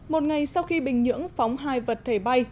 một ngày sau khi bình nhưỡng phóng hai vật thể bay